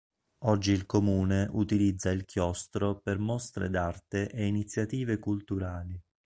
Oggi il Comune utilizza il chiostro per mostre d'arte e iniziative culturali.